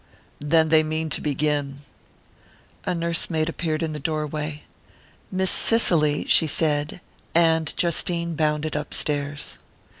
"Then they mean to begin." A nursemaid appeared in the doorway. "Miss Cicely " she said; and Justine bounded upstairs.